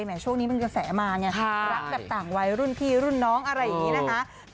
ช่วงนี้มันกระแสมาไงรักแบบต่างวัยรุ่นพี่รุ่นน้องอะไรอย่างนี้นะคะ